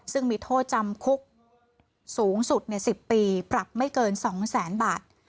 ซึ่งมีโทษจำคุกสูงสุดเนี้ยสิบปีปรับไม่เกินสองแสนบาท